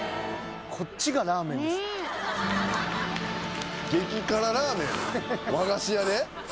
こっちがラーメンですやん。